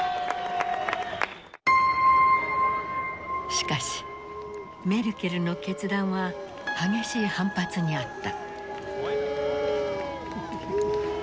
しかしメルケルの決断は激しい反発にあった。